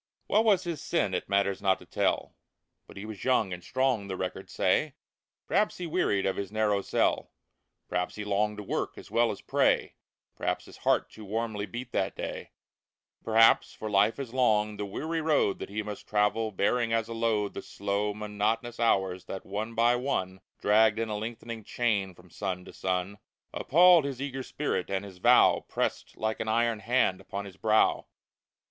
What was his sin it matters not to tell. But he was young and strong, the records say ; Perhaps he wearied of his narrow cell ; Perhaps he longed to work, as well as pray ; Perhaps his heart too warmly beat that day ! Perhaps — for life is long — the weary road That he must travel, bearing as a load The slow, monotonous hours that, one by one. Dragged in a lengthening chain from sun to sun, Appalled his eager spirit, and his vow Pressed like an iron hand upon his brow.